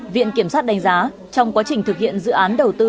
viện kiểm sát đánh giá trong quá trình thực hiện dự án đầu tư